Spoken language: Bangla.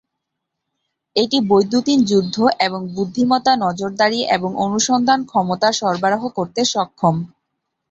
এটি বৈদ্যুতিন যুদ্ধ এবং বুদ্ধিমত্তা, নজরদারি এবং অনুসন্ধান ক্ষমতা সরবরাহ করতে সক্ষম।